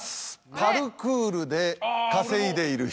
パルクールで稼いでいる人。